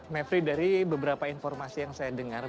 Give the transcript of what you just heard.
mevri dari beberapa informasi yang saya dengar